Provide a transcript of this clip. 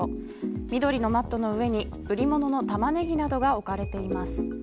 緑のマットの上に売り物のタマネギなどが置かれています。